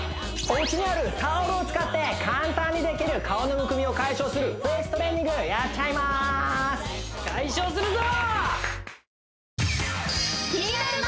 おうちにあるタオルを使って簡単にできる顔のむくみを解消するフェイストレーニングをやっちゃいます解消するぞ！